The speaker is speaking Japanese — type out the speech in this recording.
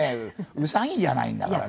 ウサギじゃないんだからね。